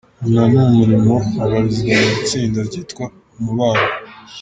Nyina ni Umurimo abarizwa mu itsinda ryitwa Umubano.